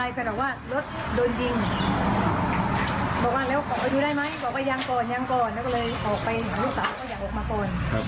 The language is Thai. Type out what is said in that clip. แล้วเลยออกไปลูกสาวก็อยากออกมาก่อน